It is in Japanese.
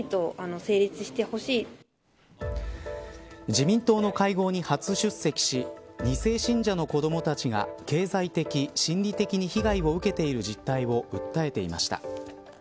自民党の会合に初出席し２世信者の子どもたちが経済的、心理的に被害を受けている実態を訴えていました。